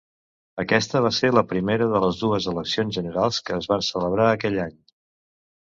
Aquesta va ser la primera de les dues eleccions generals que es van celebrar aquell any.